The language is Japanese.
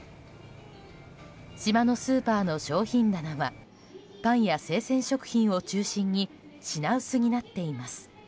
島のスーパーの商品棚はパンや生鮮食品を中心に品薄になっています。